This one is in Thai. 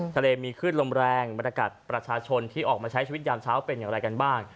ทะเลมีคลื่นลมแรงบรรยากาศประชาชนที่ออกมาใช้ชีวิตยามเช้าเป็นอย่างไรกันบ้าง